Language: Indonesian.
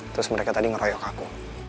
terus mereka tadi ngerokokku